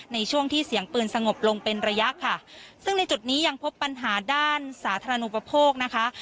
ในช่วงที่เสียงปืนสงบลงเป็นระยะค่ะซึ่งในจุดนี้ยังพบปัญหาด้านสาธารณูปโภคนะคะ